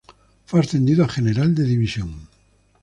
Fue ascendido a General de División.